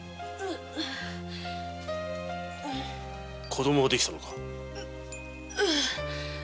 子供ができたのか。